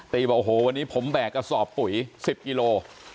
บอกโอ้โหวันนี้ผมแบกกระสอบปุ๋ย๑๐กิโล